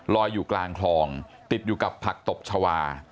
อยู่กลางคลองติดอยู่กับผักตบชาวา